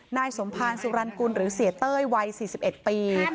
นายสมภารสุรรณกุลหรือเสียเต้ยวัย๔๑ปี